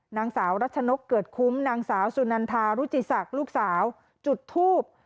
นางสาวรัชนกเกิดคุ้มนางสาวสุนันทารุจิศักดิ์ลูกสาวจุดทูบ